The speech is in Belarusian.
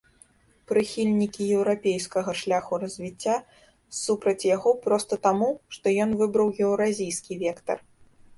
Прыхільнікі еўрапейскага шляху развіцця супраць яго проста таму, што ён выбраў еўразійскі вектар.